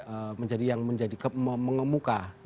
itu menjadi yang menjadi mengembutkan